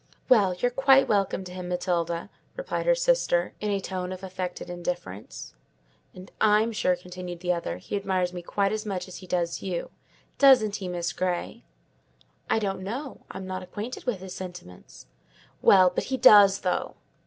"Well, you're quite welcome to him, Matilda," replied her sister, in a tone of affected indifference. "And I'm sure," continued the other, "he admires me quite as much as he does you; doesn't he, Miss Grey?" "I don't know; I'm not acquainted with his sentiments." "Well, but he does though."